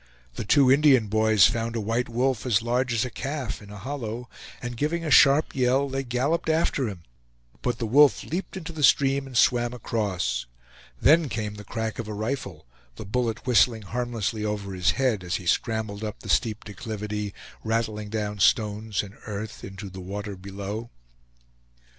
The two Indian boys found a white wolf, as large as a calf in a hollow, and giving a sharp yell, they galloped after him; but the wolf leaped into the stream and swam across. Then came the crack of a rifle, the bullet whistling harmlessly over his head, as he scrambled up the steep declivity, rattling down stones and earth into the water below.